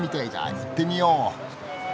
行ってみよう。